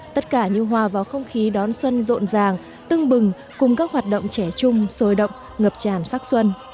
tất cả như hòa vào không khí đón xuân rộn ràng tưng bừng cùng các hoạt động trẻ chung sôi động ngập tràn sắc xuân